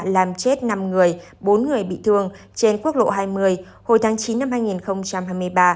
làm chết năm người bốn người bị thương trên quốc lộ hai mươi hồi tháng chín năm hai nghìn hai mươi ba